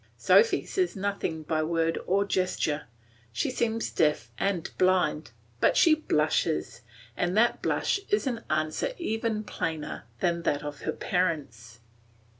Sophy says nothing by word or gesture; she seems deaf and blind, but she blushes, and that blush is an answer even plainer than that of her parents.